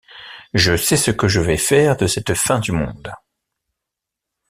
Je sais ce que je vais faire de cette fin du monde.